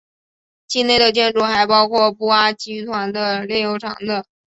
境内的建筑还包括布阿集团的炼油厂等。